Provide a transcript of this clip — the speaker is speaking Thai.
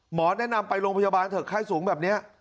หมอแนะนำไปโรงพยาบาลเถอะไข้สูงแบบนี้